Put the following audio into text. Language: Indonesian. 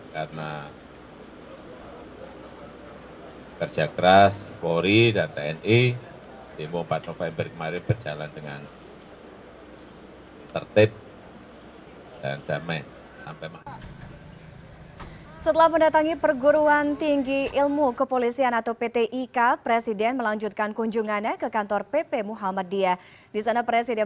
karena kerja keras polri dan tni demo empat november kemarin